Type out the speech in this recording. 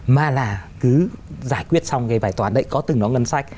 mà là cứ giải quyết xong cái bài toán đấy có từng đó ngân sách